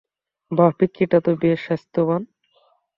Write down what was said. বাহ, পিচ্চিটা তো বেশ স্বাস্থ্যবান!